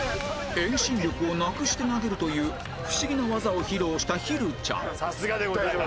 遠心力をなくして投げるという不思議な技を披露したひるちゃん